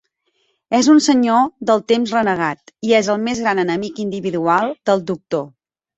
És un senyor del Temps renegat, i és el més gran enemic individual del Doctor.